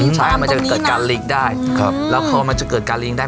นี่นะนี่ใช่มันจะเกิดการได้ครับแล้วเขาว่ามันจะเกิดการได้